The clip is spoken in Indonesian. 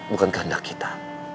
bukankah anda kita